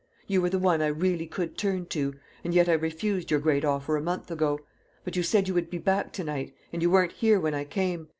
You were the one I really could turn to, and yet I refused your great offer a month ago. But you said you would be back to night; and you weren't here when I came.